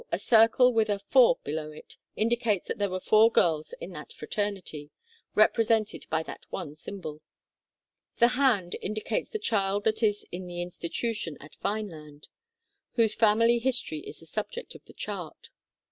a circle with a "4" below it, indicates that there were four girls in that fraternity, represented by that one symbol. The Hand indicates the child that is in the Institu tion at Vineland, whose family history is the subject of the chart.